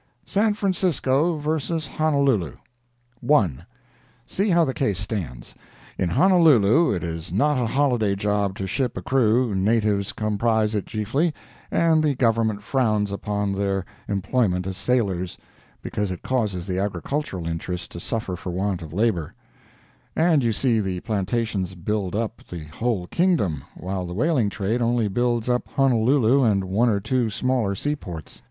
SAN FRANCISCO VS. HONOLULU 1. See how the case stands: In Honolulu it is not a holiday job to ship a crew, natives comprise it chiefly, and the Government frowns upon their employment as sailors, because it causes the agricultural interests to suffer for want of labor, and you see the plantations build up the whole kingdom, while the whaling trade only builds up Honolulu and one or two smaller seaports.